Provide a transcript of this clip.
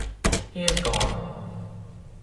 He is gone.